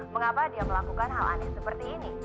mengapa dia melakukan hal aneh seperti ini